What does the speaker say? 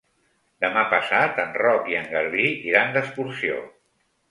Demà passat en Roc i en Garbí iran d'excursió.